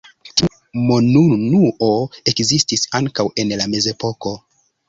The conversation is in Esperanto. Tiu monunuo ekzistis ankaŭ en la Mezepoko.